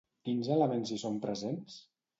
Quins elements hi són presents?